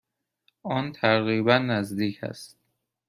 آن تقریبا نزدیک است.